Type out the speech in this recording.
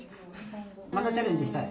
またチャレンジしたい？